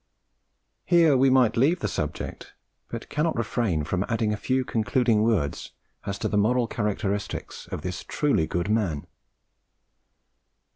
Here we might leave the subject, but cannot refrain from adding a few concluding words as to the moral characteristics of this truly good man.